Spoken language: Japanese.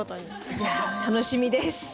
じゃあ楽しみです。